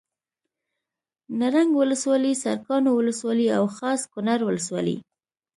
نرنګ ولسوالي سرکاڼو ولسوالي او خاص کونړ ولسوالي